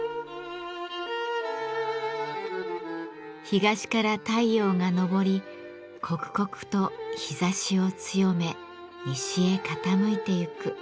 東から太陽が昇り刻々と日ざしを強め西へ傾いてゆく。